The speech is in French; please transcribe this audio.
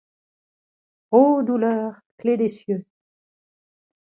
Ô douleur! clef des cieux !